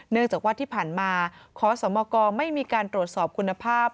เนื่องจากว่าที่ผ่านมาขอสมกไม่มีการตรวจสอบคุณภาพ